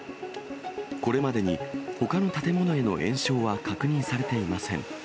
これまでにほかの建物への延焼は確認されていません。